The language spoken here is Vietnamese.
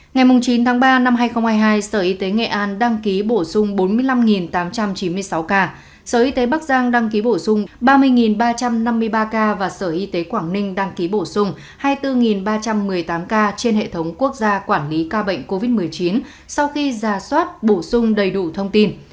ngày chín tháng ba năm hai nghìn hai mươi hai sở y tế nghệ an đăng ký bổ sung bốn mươi năm tám trăm chín mươi sáu ca sở y tế bắc giang đăng ký bổ sung ba mươi ba trăm năm mươi ba ca và sở y tế quảng ninh đăng ký bổ sung hai mươi bốn ba trăm một mươi tám ca trên hệ thống quốc gia quản lý ca bệnh covid một mươi chín sau khi ra soát bổ sung đầy đủ thông tin